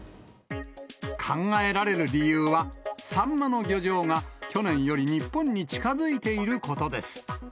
考えられる理由は、サンマの漁場が去年より日本に近づいていることです。